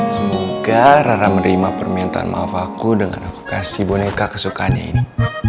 semoga rara merima permintaan maaf aku dengan aku kasih boneka kesukaannya ini